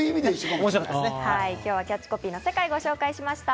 今日はキャッチコピーの世界をご紹介しました。